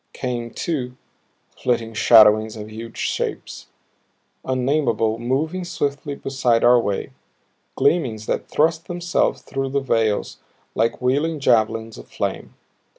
Came, too, flitting shadowings of huge shapes, unnameable, moving swiftly beside our way; gleamings that thrust themselves through the veils like wheeling javelins of flame.